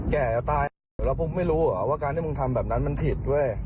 แก่ตายแล้วพวกมึงไม่รู้ว่าการทำแบบนั้นมันผิด